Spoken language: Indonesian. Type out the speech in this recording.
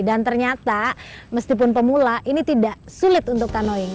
dan ternyata meskipun pemula ini tidak sulit untuk canoeing